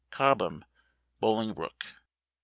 Cobham, Bolingbroke.